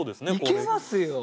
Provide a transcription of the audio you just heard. いけますよ！